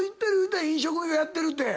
飲食業やってるって。